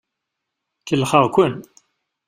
Kellxeɣ-ken.